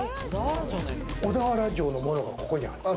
小田原城のものがここにあったん。